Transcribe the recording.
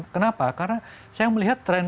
kenapa karena saya melihat tren